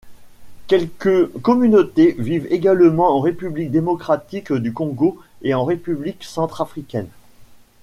Quelques communautés vivent également en République démocratique du Congo et en République centrafricaine.